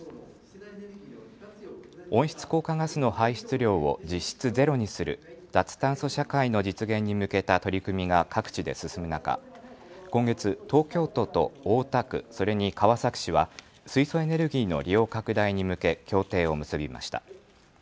温室効果ガスの排出量を実質ゼロにする脱炭素社会の実現に向けた取り組みが各地で進む中、今月、東京都と大田区、それに川崎市は水素エネルギーの利用拡大に向け協定を結びました。